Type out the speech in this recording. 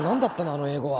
あの英語は。